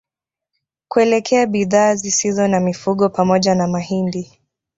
Kuelekea bidhaa zisizo za mifugo pamoja na mahindi